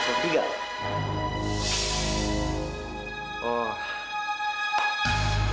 ada ada saja tolong